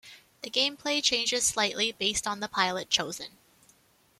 The game play changes slightly based on the pilot chosen.